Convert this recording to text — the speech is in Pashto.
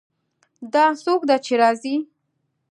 دا څوک ده چې راځي